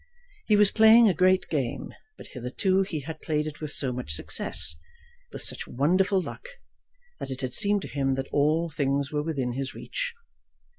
He was playing a great game, but hitherto he had played it with so much success, with such wonderful luck! that it had seemed to him that all things were within his reach.